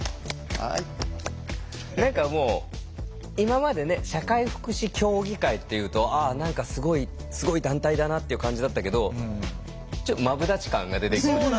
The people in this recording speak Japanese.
何かもう今までね社会福祉協議会っていうと何かすごいすごい団体だなっていう感じだったけどマブダチ感が出てきましたね。